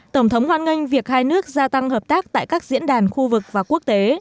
tổng thống hoan nghênh việc hai nước gia tăng hợp tác tại các diễn đàn khu vực và quốc tế